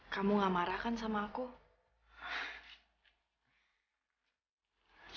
kamu tidak marahkan aku bukan